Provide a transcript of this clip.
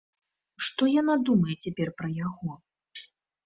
Што яна думае цяпер пра яго?